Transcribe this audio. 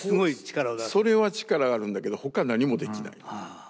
それは力があるんだけどほか何もできない。